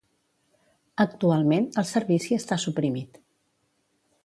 Actualment el servici està suprimit.